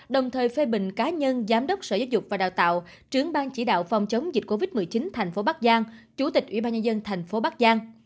đồng thời phê bình cá nhân giám đốc sở giáo dục và đào tạo trưởng bang chỉ đạo phòng chống dịch covid một mươi chín thành phố bắc giang chủ tịch ủy ban nhân dân thành phố bắc giang